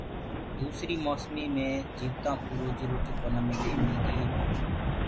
دوسريٚ موسميٚ مي جيوتآنٚ ڪو روجيٚ ڪونآ ملي ملدي هي پر